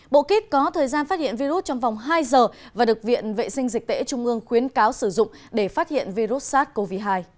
bộ kit có thời gian phát hiện virus trong vòng hai giờ và được viện vệ sinh dịch tễ trung ương khuyến cáo sử dụng để phát hiện virus sars cov hai